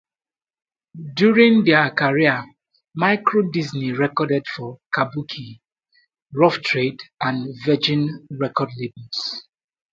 During their career, Microdisney recorded for Kabuki, Rough Trade and Virgin record labels.